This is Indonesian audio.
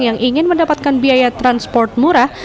yang ingin mendapatkan biaya transport murah